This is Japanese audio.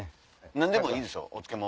何でもいいですよお漬物。